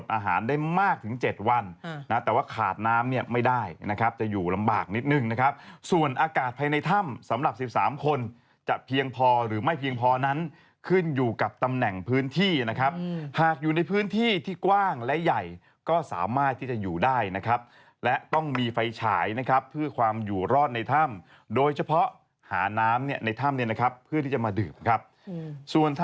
อาหารได้มากถึง๗วันนะแต่ว่าขาดน้ำเนี่ยไม่ได้นะครับจะอยู่ลำบากนิดนึงนะครับส่วนอากาศภายในถ้ำสำหรับ๑๓คนจะเพียงพอหรือไม่เพียงพอนั้นขึ้นอยู่กับตำแหน่งพื้นที่นะครับหากอยู่ในพื้นที่ที่กว้างและใหญ่ก็สามารถที่จะอยู่ได้นะครับและต้องมีไฟฉายนะครับเพื่อความอยู่รอดในถ้ำโดยเฉพาะหาน้ำเนี่ยในถ้ำเนี่ยนะครับเพื่อที่จะมาดื่มครับส่วนท